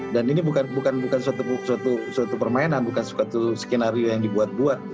dan ini bukan suatu permainan bukan suatu skenario yang dibuat buat